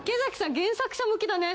原作者向きだね。